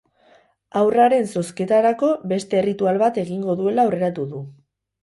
Haurraren zozketarako beste erritual bat egingo duela aurreratu du.